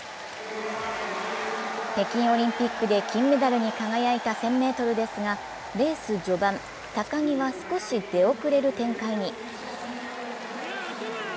北京オリンピックで金メダルに輝いた１０００ｍですがレース序盤、高木は少し出遅れる展開に。